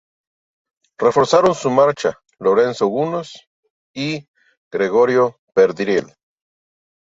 Reforzaron su marcha Lorenzo Lugones y Gregorio Perdriel.